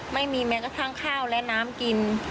ไม่มีแม้กระทั่งข้าวและน้ำกิน